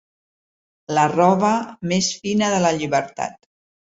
La roba més fina de la llibertat.